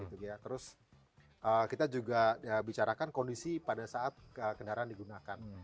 nah kalau mobilnya berapa jauh kita juga bicarakan kondisi pada saat kendaraan digunakan